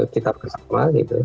kita bersama gitu